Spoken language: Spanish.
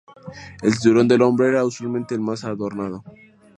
El cinturón del hombre era usualmente el más adornado.